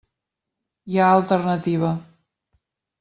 Hi ha alternativa.